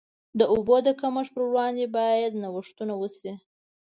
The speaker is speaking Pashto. د اوبو د کمښت پر وړاندې باید نوښتونه وشي.